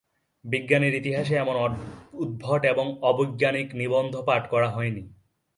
বিজ্ঞানের ইতিহাসে এমন উদ্ভট এবং অবৈজ্ঞানিক নিবন্ধ পাঠ করা হয় নি।